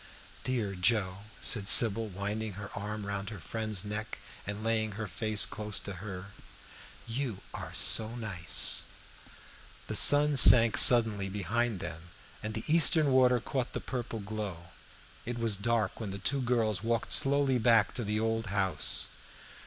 "Dear Joe," said Sybil, winding her arm round her friend's neck and laying her face close to hers, "you are so nice." The sun sank suddenly behind them, and all the eastern water caught the purple glow. It was dark when the two girls walked slowly back to the old house.